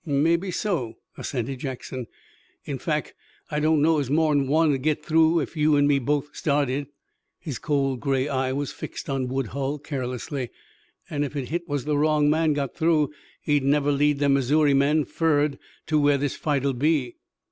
"Mebbe so," assented Jackson. "In fack, I don't know as more'n one'd git through if you an' me both started." His cold gray eye was fixed on Woodhull carelessly. "An' ef hit was the wrong man got through he'd never lead them Missouri men for'rerd to where this fight'll be.